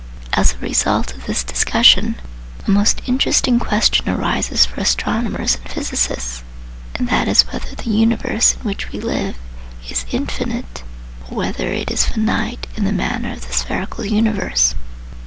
As a result of this discussion, a most interesting question arises for astronomers and physicists, and that is whether the universe in which we live is infinite, or whether it is finite in the manner of the spherical universe.